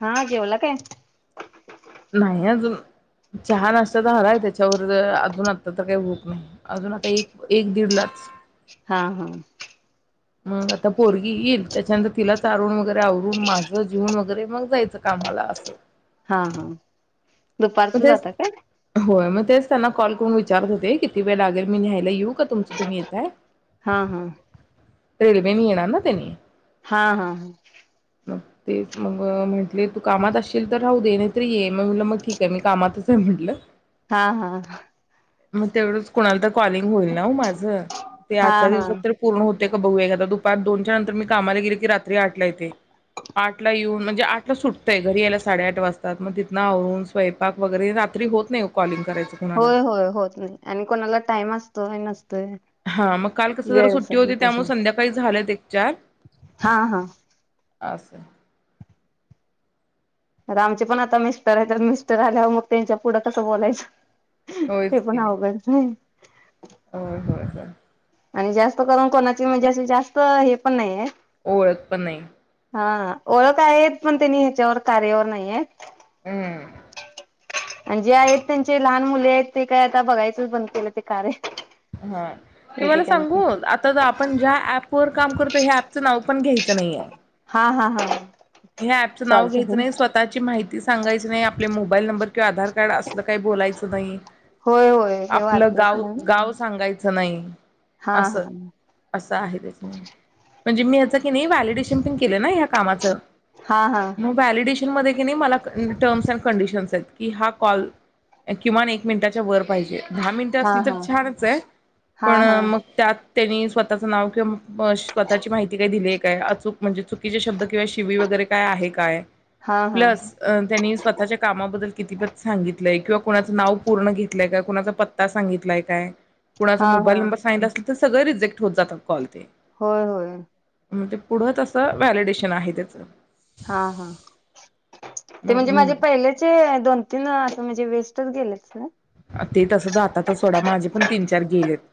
हा जेवला काय? नाही अजून चहा नाश्ता झालाय त्याच्यावर जरा अजून आता तर काही भूक नाही अजून आता एक एक दीडलाच.... हा हा मग आता पोरगी येईल त्याच्यानंतर तिला चारून वगैरे आवरून माझं जेऊन वगैरे मग जायचं कामाला असं..... हा ह.... मग तेच होय मग तेच त्यांना कॉल करून विचारत होते किती वेळ लागेल मी न्यायला येऊ का तुमच तुम्ही येताय...... हा हा रेल्वेनी येणार ना त्यांनी. हा हा ह मग तेच मग म्हंटले तू कामात असशील तर राहू दे नाहीतरी ये. मग म्हटलं मग ठीक ए... कामातच हाय म्हटलं! हा हा मग तेवढंच कोणाला तर कॉलिंग होईल ना ओ माझ ते हा आजच्या हा दिवसात तर पूर्ण होतय का बघू एकाद दु पार दोनच्या नंतर मी कामाला गेले की रात्री आठ ला येते आठला येऊन म्हणजे आठ ला सुटतंय घरी यायला साडे आठ वाजतात मग तिथंन आवरून स्वयंपाक वगैरे रात्री होत नाही ओ कॉलिंग. करायचं कोणाला. होय होय होत नाही आणि कोणाला टाइम असतो नाही नस हा मग काल कस जरा सुट्टी होती कशी त्यामुळ संध्याकाळी झाल्यात एक चार हा हा अस अता आमचे पण आता मिस्टर आहे तर मिस्टर आल्यावर मग त्यांच्या पुढं कसं बोलायचं? ते होयच की पण अवघडच आहे होय होय होय आणि जास्त करून कोणाचे म्हणजे असे जास्त अ हे पण नाहीय? ओळख पण नाही. हा ओळख आहे पण त्यांनी ह्याच्यावर कार्यावर नाहीयत. हूं आणि जे आहेत त्यांचे लहान मुले ते काय आता बघायचंच बंद केलं ते कार्य. हा तुमाला एकेकांचे सांगू आता जो आपण ज्या ऍप पोर काम करतोय हे अँप च नाव पण घे. तस नाही हाय हा हा हा ह्या ऍपचं सॉरी नाव घ्यायचं सॉरी नाही स्वतःची माहिती सांगायच नाही आपले मोबाईल नंबर किंवा आधार कार्ड असल काही बोलायचं नाही होय होय ते आपलं वाचलं गाव सगळं मी गाव सांगाय च नाही. हा असं हा असं आहे तेच मं म्हणजे मी याचं की नी व्हॅलिडेशन पण केलं केलं ना ह्या कामाचं हा हा डिशन मदे की नी माला अ टर्म्स अँड कंडिशन्स आहेत की हा कॉल किमान एक मिनिटाच्या वर पाहिजे. दहा मिनिटं हा असली तर हा छानच आहे हा पण अ हा मग त्यात त्यांनी स्वतःचं नाव किंव मं बॉश स्वतःची माहिती काय दिलीये काय अचूक म्हणजे चुकीचे शब्द किंवा शिवी व जरी काय आहे काय? हा हा प्लस अ त्यांनी स्वतःच्या कामाबद्दल कितीपत सांगितलंय कोणाचं नाव पूर्ण घेतलंय का कुणाचा पत्ता सांगितलाय काय? कुणाचा हा हा मोबाईल नंबर सांगितला असेल तर सगळे रिजेक्ट होत जातात कॉल ते होय होय म ते पुढं तसं व्हॅलिडेशन आहे त्याचं हा हा ते मग म्हणजे माझे म्हणून पहिलेचे दोन तीन अस म्हणजे वेस्ट तर गेले असतील ना ते तसं जातातच सोडा माझे पण तीन चार गेलेत.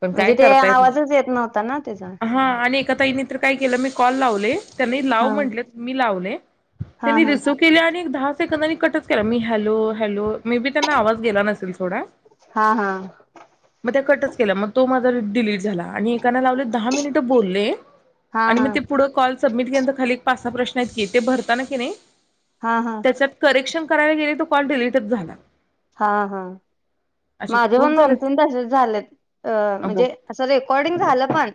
पण काय म्हणजे ते करता नाही आवाजच येत नव्हता ना त्यजा हा आणि एका ताईनी तर काय केलं मी कॉल लावले. त्यांनी लाव म्हटले मी लावले हा त्यांनी हा रिसिव्ह केले आणि एक दहाच तर का त्यांनी कटच केला मी हॅलो हॅलो, मे बी त्यांना आवाज गेला नसेल सोडा हा हा मग त्या कटच केल्या मग तो माझा डिलीट झाला. आणि एकाना लावले दहा मिनिट बोलले हा आणि मग हा ते पुढं कॉल सबमिट केल्यानंतर खाली पाच स हा प्रश्न आहेत की ते भरताना की नही हा हा त्याच्यात करेक्शन करायला गेले तो कॉल डिलीटच झाला हा हा असे माझे खूप पण दोन झालेत तीन तसेच झालेत अहो म्हणजे अस रेकॉर्डिंग झालं पण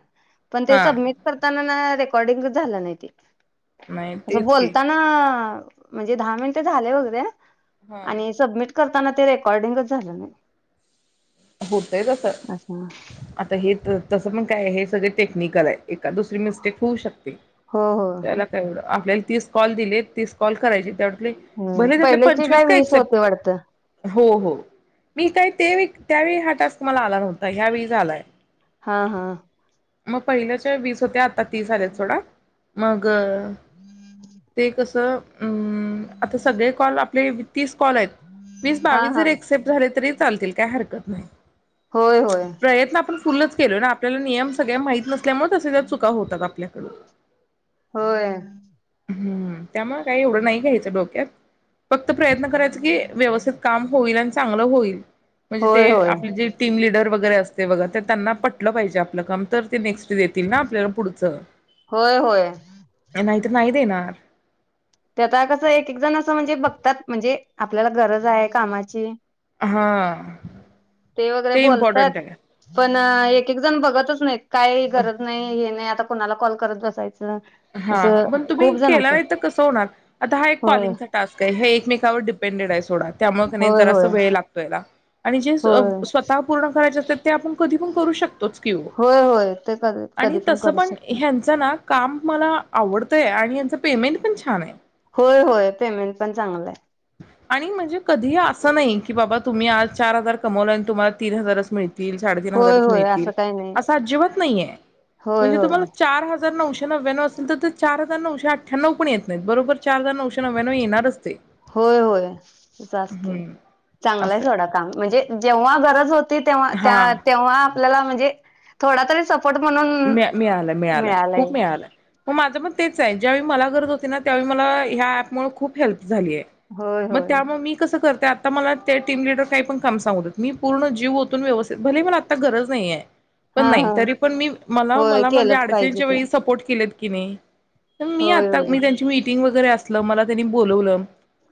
पण ते हा सबमिट करताना ना रेकॉर्डिंग झालं नही ते नाही असं तेच की बोलताना म्हणजे दहा मिन्ट झाले वगैरे हा आणि सबमिट करताना ते रेकॉर्डिंगच झालं नाही. होतय तस असं आता हे तस पण काय हे? सगळे टेक्निकल आहे एखादं दुसरी मिस्टेक होऊ शकते. हो त्याला काय एवढं आपल्याल तीस कॉल दिले तीस कॉल करायचे तेवढं हं पहिल्याचे काय वीस होते वाटतं हो हो मी काय ते एक त्यावेळी हा टास्क मला आला नव्हता ह्यावेळीज आलाय हा हा मग पहिल्याच्या वीस हो ते आता तीस आलेत सोडा. मांग. गअं ते कसं अंमं आता सगळे कॉल आपले तीस कॉल आहेत वीस हा बावीस हा जरी एक्सेप्ट झाले तरी चालतील. काय हरकत होय होय [unintelligible] प्रयत्न आपण फुलच केल ना आपल्याला नियम सगळे माहित नसत त्यामुळे तश्या त्या चुका होतात आपल्याकडून. होय. [unintelligible] त्यामुळे काही एवढं नाही घ्यायचं डोक्यात. फक्त प्रयत्न करायचा की व्यवस्थित काम होईल आणि चांगलं होईल. [inaudible] ते होय होय आपले जे टीम लिडर बघ [unintelligible] ते बघा ते त्यांना पटलं पाहिजे आप ल कमतर ते नेक्स्ट देतील ना आपल्याला पुढचं, होय होय काय माहित. नाही देणार. ते आता कसं एक एक जण असं म्हणजे बघतात म्हणजे आपल्याला गरज आहे कामाची. हां ते इम्पॉर्टंट आहे. हा एक एक जण बघतच नाहीत. काही गरज नाही हे नाही आता कोणाला कॉल करत बसायच? हां मंग तुम्ही केला नाही तर कसं होणार. आता हा एक होय कॉलिंगचा टास्क आहे हे एकमेंकावर डिपेंडेड आहे सोडा त्यामुळे कनी होय जरासा होय वेळ लागतो याला. आणि जे अ होय स्वतः पूर्ण करायचे असत्यात ते आपण कधी पण करू शक तोच कि ओ होय होय ते कधी आणि कधी तस करू पण शकते ह्यांच ना काम आवडतंय आणि यांच पेमेंट पण छान आहे होय होय पेमेंट पण चांगलाय आणि म्हणजे कधीही असं नाही की बाबा तुम्ही आज चार हजार कमवला आणि तुम्हाला तीन हजारच मिळ तीन साडेतीन होय हजारच होय मिळतील असं काही नाही असं अजिबात नाहीये होय म्हणजे होय तुम्हाला चार हजार जर नऊशे नव्याण्णव असतील तर ते चार हजार नऊशे अठ्ठ्यांणव पण येत नाहीत बरोबर चार हजार नऊशे नव्याण्णव येणारच ते होय होय हम्म [unintelligible] चांगलंय असं सोडा आहे काम म्हणजे जेव्हा गरज होती तेव्हा हा त्या तेव्हा - आपल्याला म्हणजे थोडातरी सपो मी मिळालं, मिळालं खूप मिळालं. मग, माझं पण तेच आहेज्यावेळी मला गरज होती ना त्यावेळी मला ह्या ऍपमुळे खूप हेल्प झालिय, होय मग होय त्यामुळे मी कस कर ते आता मला ते टीम लीडर काही पण काम सांगू देत. मी पूर्ण जीव ओतून व्यवस्थित भले मला आता गरज नाही आहे. पण, हा नाही हा तरी पण मी! मला, होय माझ्या केलंच पाहिजे अडचणीच्या ते वेळी सपोर्ट किलेत की नाही मी, होय आता होय मी त्यांची मी मीटिंग वगैरे असलं मला त्यांनी बोलवलं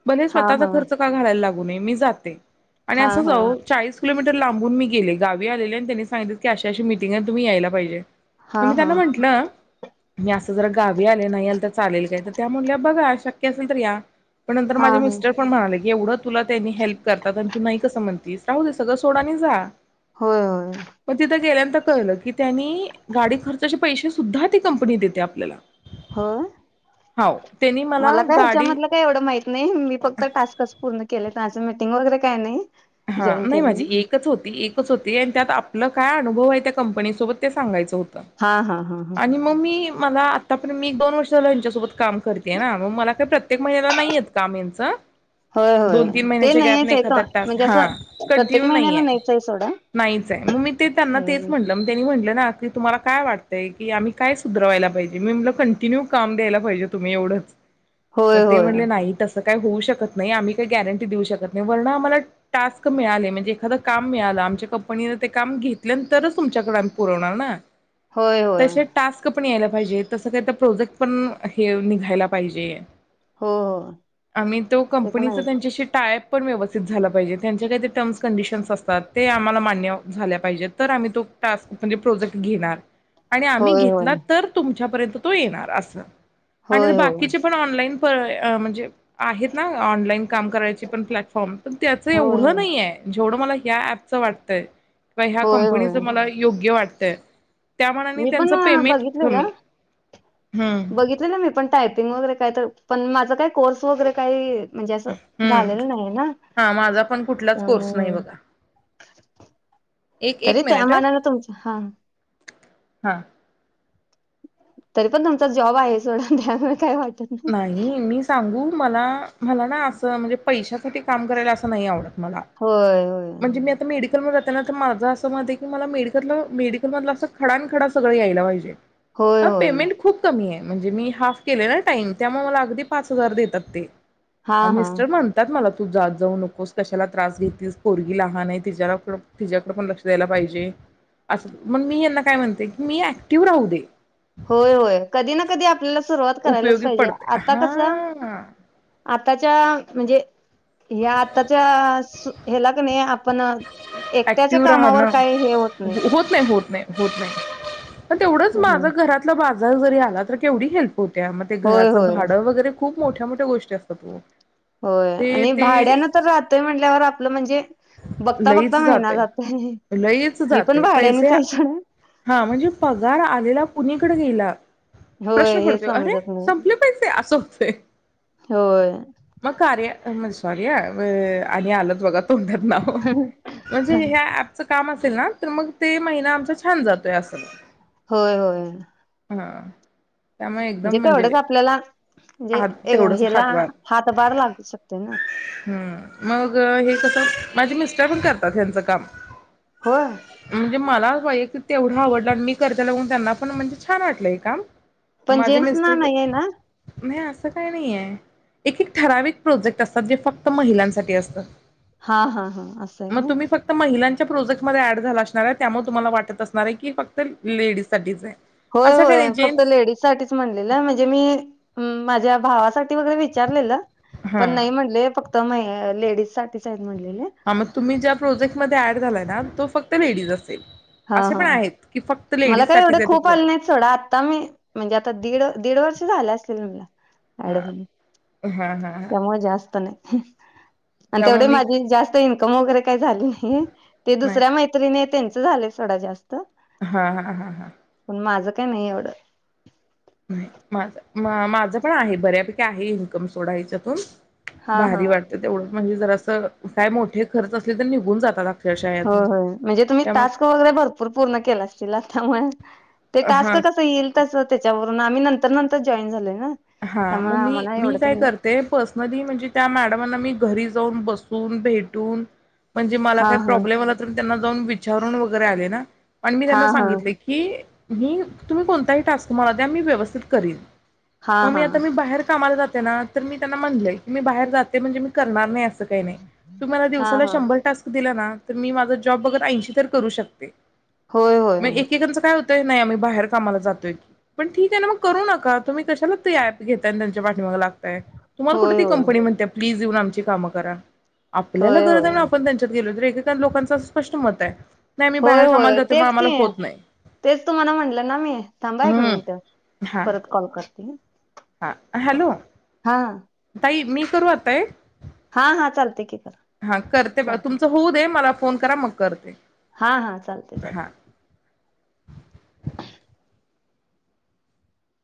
भले, हा स्वःचा हा खर्च का घालायला लागु पुणे, मी जाते. आणि हा असं हा जाऊ, चाळीस किलोमीटर, लांबून मी गेले गावी आलेले, आणि त्यांनी सांगितल की अशी अशी मीटिंग आहे तुम्ही यायला पाहिजे. म, हा मी त्यांना म्हंटलं मी असं जर गावी आले, नाही आल तर चालेल काय, तर त्या म्हणल्या बघा शक्य असेल तर या. पण नंतर हा माझे हा मिस्टर, पण म्हणाले एवढं तुला त्यांनी हेल्प करतात आणि तू नाही कसं? म्हणतीस राहू दे सगळं सोड आणि जा. होय, होय. त, कळलं की त्यांनी गाडी, खर्चाचे पैसे सुद्धा ती कंपनी देते आपल्याला. होय, हाव त्यांनी मला काय गाडी ह्याच्यामधलं काही एवढं माहित नाही मी फक्त टास्कच पूर्ण केलेत. त्याच मीटिंग वगैरे काही नाही. हा जॉईन नाही केलं मी माझी एकच होती, एकच होती, आणि त्यात आपलं काय अनुभव आहे, त्या कंपनीसोबत ते सांगायच होतं? हा हा हा हा आणि म मी मला आता पण मी दोन वर्ष झालं हेच्यासोबत काम करते हां मग मला काय प्रत्येक - - त्येक महिनेला नाही येत काम यांचं होय होय दोन तीन ते महिन्याच्या गॅप नाहीच नाही एखादा [unintelligible] टास्क हा प्रत्येक कंटिन्यू महिन्याला नाहीआय नाहीच आहे सोडा. नाहीच आहे मग मी ते त्यांना तेच हम्म. म्हटलं मग त्यांनी म्हटलं ना की तुम्हाला काय वाटतंय की आम्ही काय सुधरवायला पाहिजे मी म्हंटल कंटिन्यू काम द्यायला पाहिजे तुम्ही एवढंच मग होय ते होय म्हटले नाही तसं ता काही होऊ शकत नाही आम्ही काही गॅरंटी देऊ शकत नाही वरन आम्हाला टास्क मिळाले म्हणजे एखादं काम मिळालं आमच्या कंपनीन ते काम घेतल्यानंतरच तुमच्याकडे आम्ही पुरवणार ना. होय होय तसे टास्क पण याल्यात. पाहिजे तसं काही प्रोजेक्ट पण हे निघायला पाहिजे. हो हो आम्ही तो ते पण कंपनीचा आहे त्यांच्याशी टायप पण व्यवस्थित झालं पाहिजेत. त्यांच्या काही ते टर्म्स कंडिशन्स असतात ते आम्हाला मान्य झाल्या पाहिजे तर आम्ही तो टास्क म्हणजे प्रोजेक्ट घेणार आणि आम्ही होय होय घेतला तर तुम तुमच्यापर्यंत तो येणार अस आणि होय होय बाकीचे पण ऑनलाईन [unintelligible] म्हणजे आहेत. ऑनलाईन काम करायची पण प्लॅटफॉर्म पण ते आ - - होय तेवढं होय नाईआय जेवढं मला ह्या ऍपचं वाटतंय [unintelligible] ह्या होय होय कंपनीचं मला योग्य वाटतं ठ मी पण बघितलेलं हम्म बघितलेल मी पण टायपिंग वगैरे काय तर पण माझा काय कोर्स वगैरे काही म्हणजे असं हम्म झालेलं नाही ना हा माझा पण कुठलाच कोर्स नाही त्यामुळे बघा एक तरी एक त्या मिनिट मानाने तुमच हा हा तरी पण तुमचा जॉब आहे सोडा हं त्यामुळे काय वाट नाही मी सांगू मला मला ना असं म्हणजे पैशासाठी काम करायला असं नाही आवडत होय होय तर मी करते ना तर माझं असं मत आहे की, मला मेडिकतल मेडिकल मधला असं खडानखडा सगळं यायला पाहिजे. होय ह होय पेमेंट खूप कमी आहे म्हणजे मी हाफ केले होय. ताइन त्यामुळ मला अगदी पाच हजार देतात ते. हा हं हा मिस्टर म्हणतात मला तू जात जाऊ नकोस कशाला त्रास घेतीस पोरगी लहान आहे तिज्यारपुढ तिच्याकडे पण लक्ष द्यायला पाहिजे असं मग मी यांना काय म्हणते की मी ऍक्टिव राहू दे होय होय कधी ना कधी आपल्याला सु सुरुवात करायलाच उपयोगी पाहिजे? पडते आता कस आ हा. आताच्या म्हणजे या आताच्या स ह्याला क नाही आपण एकट्याच्या ऍक्टिव राहण कामावर काही हे होत नाही होत नाही होत नाही तेवढंच माझ घरात चा बाजार जरी आला तर केवढी हिन होत्या मग ते होय घराचं होय भाडं वगैरे? खूप मोठ्या मोठ्या गोष्टी असतात वो होय आणि भाड्यान तर राहतय म्हणल्यावर आप प्ल म्हणजे बघता बघता लईच महिना जातय जातोय लईच मी पण जातय पैसे भाड्यानेच आहे सोडा हा म्हणजे पगार आलेला कुणी? [unintelligible] होय प्रश्न हे पडतोय अरे समजत नाही संपले पैसे असं होतंय होय मग कार्या म्हण सॉरी हा आणि आलच बघा तोंडात नाव म्हणजे ह्या ॲपच काम असेल ना तर मग ते महिना आमचा छान जातोय अस होय होय हां म्हणजे तेवढंच आपल्याला म्हणजे हात तेवढंच ह्याला हातभार हातभार लागू शकते ना हम्म मग हे कसं माझे मिस्टर पण करतात ह्यांच काम हो [unintelligible] म्हणजे मला वैयक् तेवढं आवडलं आणि मी करत्याल बघून त्यांना पण म्हणजे छान वाटलंय काम पण जेन्स ना नाहीये ना? तस नाही आहे एक एक ठराविक प्रोजेक्ट असतात जे फक्त महिलांसाठी असतात हा हा हा असं हाय व्हय प्रोजेक्ट मध्ये ऍड झाला असणार आहे त्यामुळे तुम्हाला वाटत असणार आहे की हे फक्त लेडीज साठीच आहे. होय असं काही होय नाही फक्त जेंट्स लेडीज साठीच म्हणलेलं म्हणजे मी माझ्या भावासाठी ते वगैरे विचारलेल पण हा नाही म्हणले फक तमये लेडीज साठीच म्हणलेले हा मग तुम्ही ज्या प्रोजेक्ट मध्ये ऍड झालाय ना तो फक्त लेडीज असेल हा असे हा पण आहेत की फक्त मला लेडीज काय एवढे साठीच आहे ते खूप आले प्रोजेक्ट नाहीत सोडा आता मी म्हणजे आता दीड दीड वर्ष झालं असतील म्हटलं ऍड हा होऊन हा हा हा त्यामुळे जास्त नाही ह आणि त्यामुळे तेवढे मी माझी जास्त इ काम वगैरे काय झालं नाही ते नाही दुसऱ्या मैत्रिणी त्यांचं ते झाले थोडा जास्त हा हा हा हा पण माझं काय नाही एवढं नाही माझ माझं पण आहे बऱ्यापैकी आहे इन्कम सोडा त्याच्यातून हा हा भारी वाटते तेवढं म्हणजे जर असं काय मोठे खर्च असले तर निघून जातात अक्षरशः हो यातून होय म्हणजे तुम्ही टास्क त्यामुळे वगैरे भरपूर पूर्ण केला अशीला त्यामुळे ते टास्क हा कसं येईल तसं त्याच्यावरून आम्ही नंतर नंतर जॉईन झालोय ना हा मग त्यामुळे मी आम्हाला मी एवढं का काय नाही करते पर्सनली म्हणजे त्या मॅडमांना मी घरी जाऊन बसून भेटून म्हणजे मला हा काही हा प्रॉब्लेम आला तर त्यांना जाऊन विचारून वगैरे आली ना प मी हा त्यांना हा सांगितले की मी तुम्ही कोणताही टास्क मला द्या मी व्यवस्थित करीन हा मग मी हा आता मी बाहेर कामाला जाते ना तर मी त्यांना म्हणलय की मी बाहेर जाते म्हणजे मी करणार नाही अस असं का नाही तुम्ही मला हा दिवसाला हा शंभर टास्क दिलेना तर मी माझा जॉब बघ ऐंशी तर करू शकते होय होय मग एकेकांचं काय होतं ताई नाही आम्ही बाहेर कामाला जातोय की पण ठीक आहे ना मग करू नका तुम्ही कशाला ॲप घेतय आणि त्यांच्या पाठीमागे लागतात तुम्हाला कुठे होय होय ती कंपनी म्हणते प्लीज इथे येऊन आमची कामे करा आपल्याला होय गरज आहे ना म्हणून होय आपण त्यांच्यात गेलो तर इतर लोकांच स्पष्ट मत आहे. नाही आम्ही होय बाहेर कामाला होय जातोय मग तेच की आम्हाला होत नाही तेच तुम्हाला म्हनल ना मी थांबा एक मिनट परत कॉल करते हा हा हॅलो ताई मी करू आता एक? हा हा चालते कि हा करते तुमच होऊ दे मला फोन करा मग करते हा हा चालतय हां चालतय......